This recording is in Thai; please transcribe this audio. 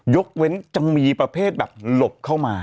ยกเว้นจะมีประเภทแบบหลบเข้ามา